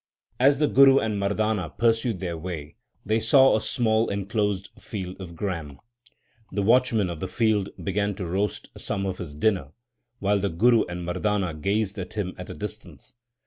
As the Guru and Mardana pursued their way they saw a small enclosed field of gram. 2 The watchman of the field began to roast some for his dinner, while the Guru and Mardana gazed at him at a distance.